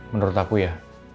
menurut aku ya